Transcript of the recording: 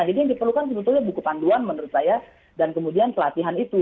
ini yang diperlukan sebetulnya buku panduan menurut saya dan kemudian pelatihan itu